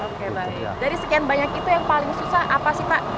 oke baik dari sekian banyak itu yang paling susah apa sih pak